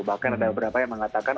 bahkan ada beberapa yang mengatakan